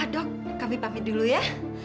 dok kami pamit dulu ya